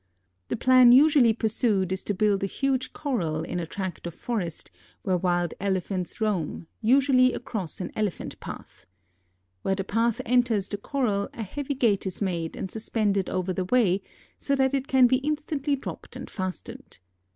The plan usually pursued is to build a huge corral in a tract of forest where wild Elephants roam, usually across an Elephant path. Where the path enters the corral a heavy gate is made and suspended over the way, so that it can be instantly dropped and fastened.